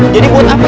jadi buat apa